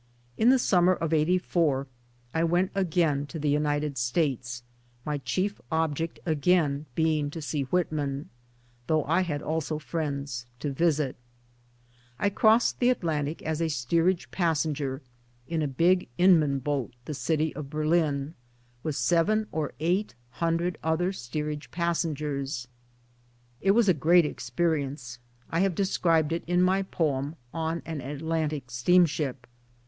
In the summer of '84 I went again to the United States, my chief object again being to see Whitman though I had also friends to visit, I crossed the Atlantic as a MANUAL 1 WORK3 f ii; steerage passenger in a big Inrrian boat, the City of Berlin with seven or eight hundred other steerage passengers. It was a great experience. I have described it in my poem " On an Atlantic Steamship."